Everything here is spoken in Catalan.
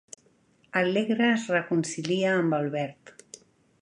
Allegra es reconcilia amb Albert.